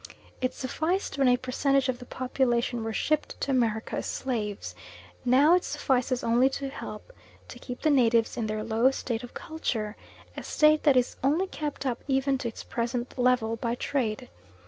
It sufficed when a percentage of the population were shipped to America as slaves; now it suffices only to help to keep the natives in their low state of culture a state that is only kept up even to its present level by trade.